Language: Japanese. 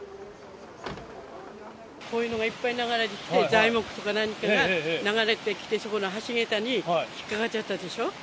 こういうのがいっぱい流れてきて、材木とか何かが流れてきて、そこの橋桁に引っ掛かっちゃったでしょう。